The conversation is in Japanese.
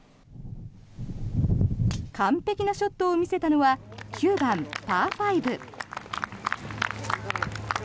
完璧なショットを見せたのは９番、パー５。